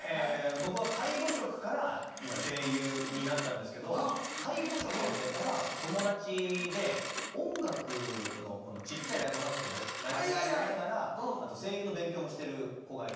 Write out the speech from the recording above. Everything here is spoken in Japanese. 僕は介護職から今声優になったんですけど介護職やってたら友達で音楽の小っちゃいライブハウスとかでライブをやりながら声優の勉強もしてる子が。